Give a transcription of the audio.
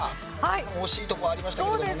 惜しいとこありましたけどもね。